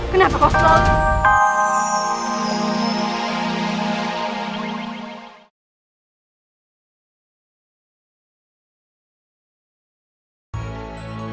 kenapa kau selalu